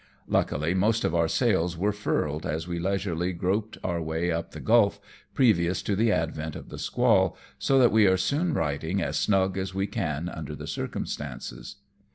Luckily most of our sails were furled as we leisurely groped our way up the gulf, previous to the advent of the squall, so that we are soon riding as snug as we can under the circumstances.